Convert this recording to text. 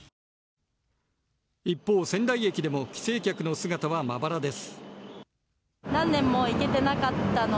一方、仙台駅でも帰省客の姿はまばらです。